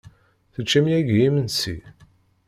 Teččam yagi imensi?